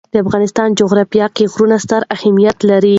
د افغانستان جغرافیه کې غرونه ستر اهمیت لري.